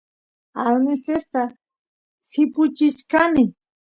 arnesesta sipuchichkani